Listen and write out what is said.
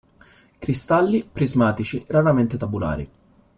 Cristalli prismatici, raramente tabulari.